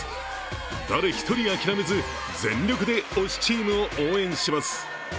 誰一人諦めず、全力で推しチームを応援します。